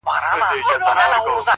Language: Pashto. د شپې مي دومره وي ژړلي گراني”